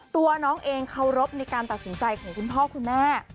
ตัวน้องเองเคารพในการตัดสินใจของคุณพ่อคุณแม่